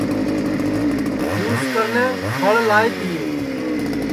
جُس کرنے پھل لائے تیئے